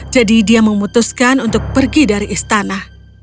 jadi dia memutuskan untuk pergi dari istana